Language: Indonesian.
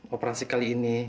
operasi kali ini